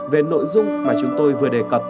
về nội dung mà chúng tôi vừa đề cập